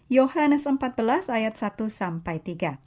yohanes empat belas ayat satu sampai tiga